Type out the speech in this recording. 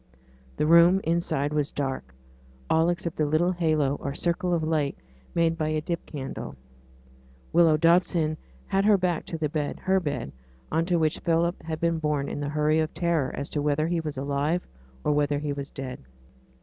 The room inside was dark, all except the little halo or circle of light made by a dip candle. Widow Dobson had her back to the bed her bed on to which Philip had been borne in the hurry of terror as to whether he was alive or whether he was dead.